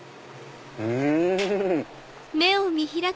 うん！